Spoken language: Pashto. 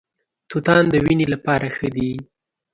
توتان د وینې لپاره ښه دي.